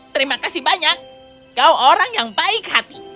terima kasih banyak kau orang yang baik hati